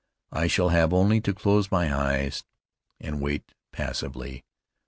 I shall have only to close my eyes, and wait passively.